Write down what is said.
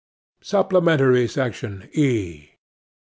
'SUPPLEMENTARY SECTION, E.